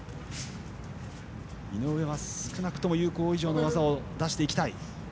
井上は、少なくとも有効以上の技を出していきたい。